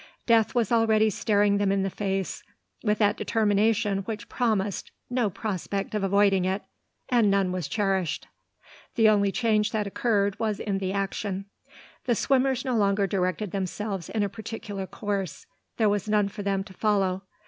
Death was already staring them in the face with that determination which promised no prospect of avoiding it, and none was cherished. The only change that occurred was in the action. The swimmers no longer directed themselves in a particular course. There was none for them to follow.